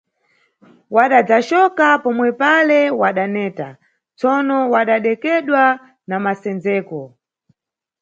Wadadzacoka pomwepale wadaneta, tsono wadadekedwa na masendzeko.